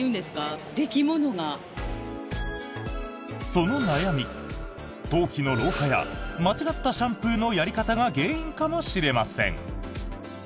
その悩み頭皮の老化や間違ったシャンプーのやり方が原因かもしれません。